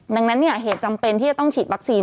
ดังนั้นเหตุจำเป็นที่จะต้องฉีดวัคซีน